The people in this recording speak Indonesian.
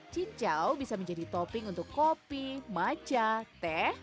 cincau bisa menjadi topping untuk kopi maca teh